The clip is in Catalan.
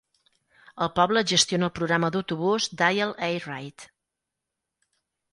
El poble gestiona el programa d'autobús "Dial-A-Ride".